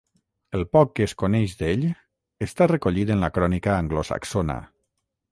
El poc que es coneix d'ell està recollit en la Crònica anglosaxona.